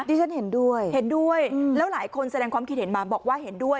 ฉันเห็นด้วยเห็นด้วยแล้วหลายคนแสดงความคิดเห็นมาบอกว่าเห็นด้วย